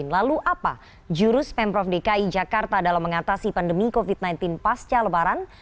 lalu apa jurus pemprov dki jakarta dalam mengatasi pandemi covid sembilan belas pasca lebaran